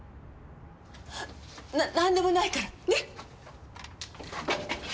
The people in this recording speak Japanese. ななんでもないから！ね？